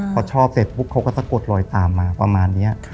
พอชอบเสร็จปุ๊บเขาก็สะกดลอยตามมาประมาณนี้